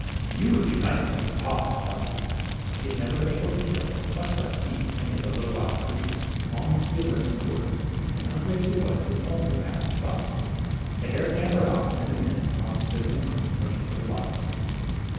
You would do nicely for the pot,'' thought he, but he had never been able to kill, much less to eat, any of the little wild creatures, long as he had lived in the wood ; and hungry as he was, it was only a passing thought. The hare scampered off, and in a minute more Hans stood in the clearing, looking for the lights.